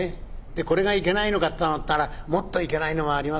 これがいけないのかと思ったらもっといけないのもありますね。